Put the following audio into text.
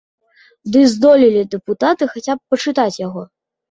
Ці здолелі дэпутаты хаця б пачытаць яго?